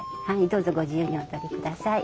どうぞご自由にお撮りください。